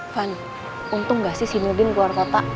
van untung gak sih si nurdin keluar kota